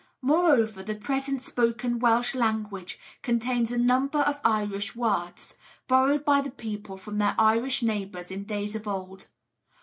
Moreover, the present spoken Welsh language contains a number of Irish words, borrowed by the people from their Irish neighbours in days of old.